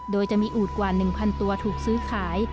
โดยจะมีอูดกว่า๑๐๐ตัวถูกซื้อขาย